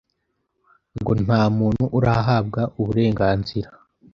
ngo nta muntu urahabwa uburenganzira